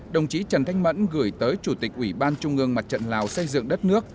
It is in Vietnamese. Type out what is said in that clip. đồng chí trần thanh mẫn gửi tới chủ tịch ủy ban trung ương mặt trận lào xây dựng đất nước